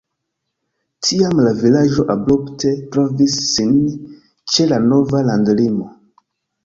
Tiam la vilaĝo abrupte trovis sin ĉe la nova landlimo.